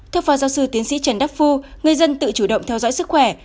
theo phó giáo sư tiến sĩ trần đắc phu người dân tự chủ động theo dõi sức khỏe